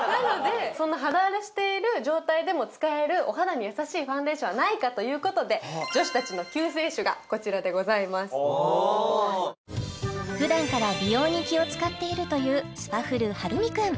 そんな肌荒れしている状態でも使えるお肌に優しいファンデーションはないかということで女子たちの救世主がこちらでございますふだんから美容に気を使っているというスパフル晴海君